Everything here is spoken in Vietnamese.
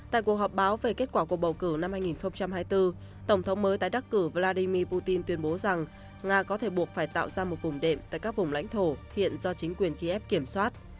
tại cuộc họp báo về kết quả cuộc bầu cử năm hai nghìn hai mươi bốn tổng thống mới tái đắc cử vladimir putin tuyên bố rằng nga có thể buộc phải tạo ra một vùng đệm tại các vùng lãnh thổ hiện do chính quyền kiev kiểm soát